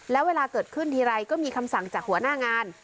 แล้วเวลาเกิดขึ้นทีไรก็มีคำสั่งจากหัวหน้างาน